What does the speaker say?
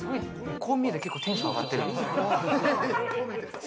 こう見えて結構テンション上がってる。